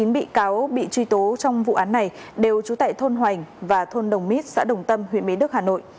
chín bị cáo bị truy tố trong vụ án này đều trú tại thôn hoành và thôn đồng mít xã đồng tâm huyện mỹ đức hà nội